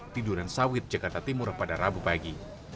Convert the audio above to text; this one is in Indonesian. tiduran sawit jakarta timur pada rabu pagi